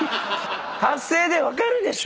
発声で分かるでしょ